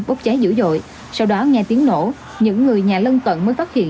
bốc cháy dữ dội sau đó nghe tiếng nổ những người nhà lân cận mới phát hiện